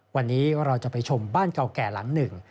วันนี้เราจะไปชมบ้านเก่าแก่หลังหนึ่ง